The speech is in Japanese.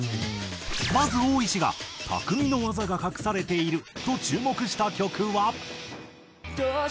まずオーイシが匠の技が隠されていると注目した曲は。